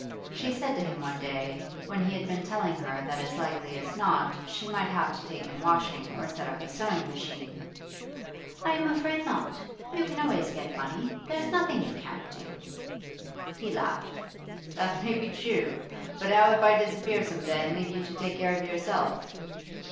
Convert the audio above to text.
She said to him one day, when he had been telling her that as likely as not she might have to take in washing or set up a sewing machine: 'I am not afraid. You can always get money. There's nothing you can't do.' He laughed. 'That may be true. But how if I disappear some day and leave you to take care of yourself?